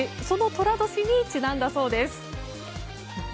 その寅年にちなんだそうです。